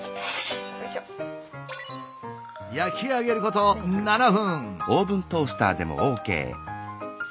焼き上げること７分。